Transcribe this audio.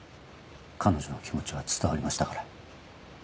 彼女の気持ちは伝わりましたから。